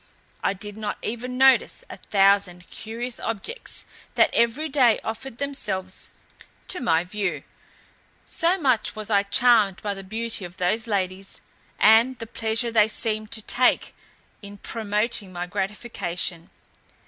I did not even notice a thousand curious objects that every day offered themselves to my view, so much was I charmed by the beauty of those ladies, and the pleasure they seemed to take in promoting my gratification.